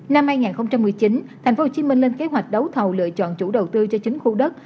năm hai nghìn một mươi chín tp hcm lên kế hoạch đấu thầu lựa chọn chủ đầu tư cho chính khu đất